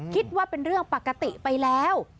คิดว่าเป็นเรื่องปกติไปแล้ว